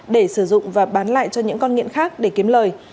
để sử dụng và bán lại cho những con nghiện khác để kiếm lời